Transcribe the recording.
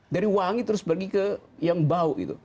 dari wangi terus pergi ke yang bau gitu